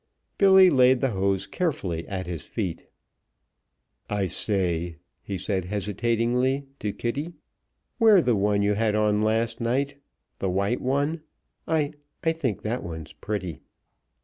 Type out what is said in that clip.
Billy laid the hose carefully at his feet. "I say," he said, hesitatingly, to Kitty, "wear the one you had on last night the white one. I I think that one's pretty."